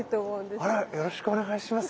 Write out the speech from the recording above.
あらよろしくお願いします。